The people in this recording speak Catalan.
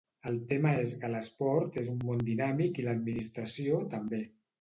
El tema és que l'esport és un món dinàmic i l'administració, també.